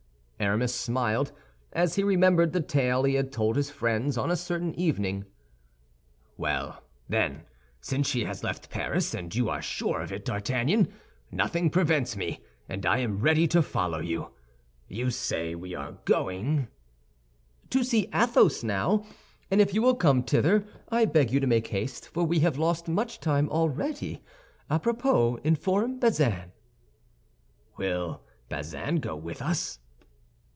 '" Aramis smiled, as he remembered the tale he had told his friends on a certain evening. "Well, then, since she has left Paris, and you are sure of it, D'Artagnan, nothing prevents me, and I am ready to follow you. You say we are going—" "To see Athos now, and if you will come thither, I beg you to make haste, for we have lost much time already. A propos, inform Bazin." "Will Bazin go with us?"